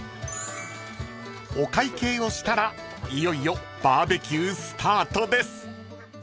［お会計をしたらいよいよバーベキュースタートです］